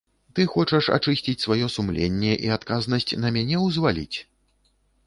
Ты хочаш ачысціць сваё сумленне і адказнасць на мяне ўзваліць?